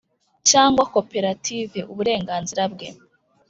cyangwa koperative uburenganzira bwe